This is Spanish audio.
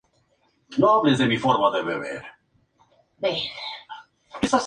Iglesia de Santiago de Compostela".